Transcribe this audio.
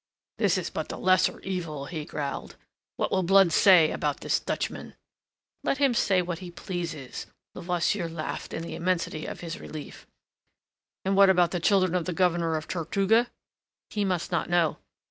"That is but the lesser evil," he growled. "What will Blood say about this Dutchman?" "Let him say what he pleases." Levasseur laughed in the immensity of his relief. "And what about the children of the Governor of Tortuga?" "He must not know."